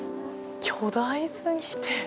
巨大過ぎて。